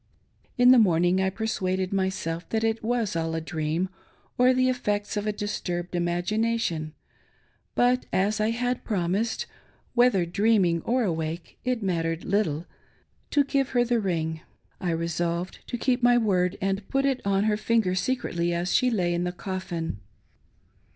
In the morning, I persuaded myself that it was all a dream or the effects of a disturbed imagination ; but as I had prom ised— whether dreaming or awake it mattered little— to give her the ring, I resolved to keep my word and put it on her finger secretly as she lay in her cofSn.